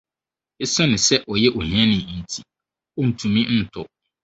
Esiane sɛ ɔyɛ ohiani nti, ontumi ntɔ.